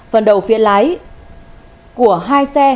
phần đầu phía lái của hai xe